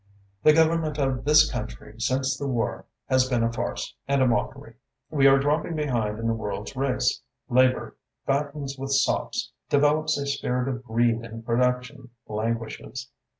The government of this country since the war has been a farce and a mockery. We are dropping behind in the world's race. Labour fattens with sops, develops a spirit of greed and production languishes.